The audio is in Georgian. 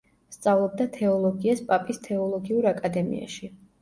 სწავლობდა თეოლოგიას პაპის თეოლოგიურ აკადემიაში.